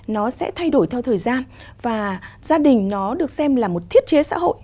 nó sẽ thay đổi theo thời gian và gia đình nó được xem là một thiết chế xã hội